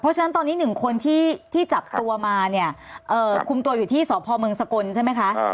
เพราะฉะนั้นตอนนี้๑คนที่จับตัวมาเนี่ยคุมตัวอยู่ที่สพเมืองสกลใช่ไหมคะ